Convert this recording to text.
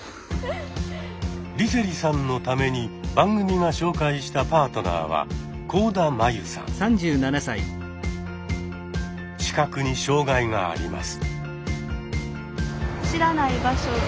梨星さんのために番組が紹介したパートナーは視覚に障害があります。